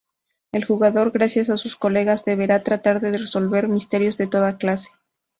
El jugador, gracias a sus colegas, deberá tratar de resolver misterios de toda clase.